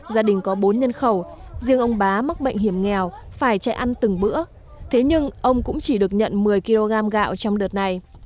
gia đình có bốn nhân khẩu riêng ông bá mắc bệnh hiểm nghèo phải chạy ăn từng bữa thế nhưng ông cũng chỉ được nhận một mươi kg gạo trong đợt này